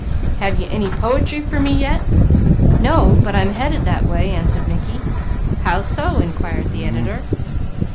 "Have you any poetry for me yet?" "No, but I'm headed that way," answered Mickey. "How so?" inquired the editor.